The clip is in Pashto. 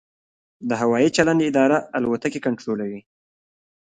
د هوايي چلند اداره الوتکې کنټرولوي؟